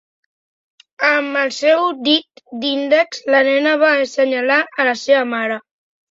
Amb el seu dit índex la nena va assenyalar la seva mare.